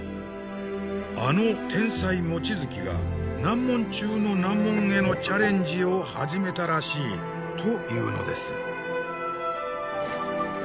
あの天才望月が難問中の難問へのチャレンジを始めたらしいというのです。